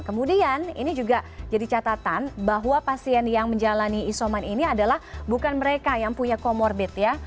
kemudian ini juga jadi catatan bahwa pasien yang menjalani isoman ini adalah bukan mereka yang punya comorbid ya